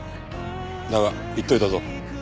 だが言っておいたぞ。